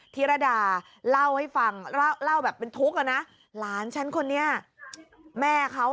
ธิรดาเล่าให้ฟังเล่าแบบเป็นทุกข์อะนะหลานฉันคนนี้แม่เขา